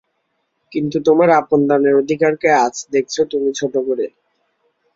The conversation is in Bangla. কিন্তু তোমার আপন দানের অধিকারকে আজ দেখছ তুমি ছোটো করে।